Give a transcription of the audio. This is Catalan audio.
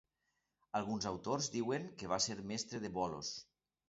Alguns autors diuen que va ser mestre de Bolos.